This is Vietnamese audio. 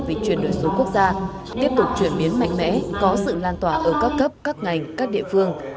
về chuyển đổi số quốc gia tiếp tục chuyển biến mạnh mẽ có sự lan tỏa ở các cấp các ngành các địa phương